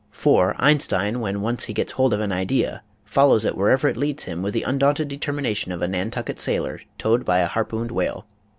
For Einstein when he once gets hold of an idea follows it wherever it leads him with the undaunted determination of a Nantucket sailor towed by a harpooned whale.